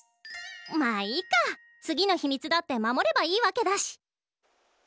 まあいいか次の秘密だって守ればいいわけだし。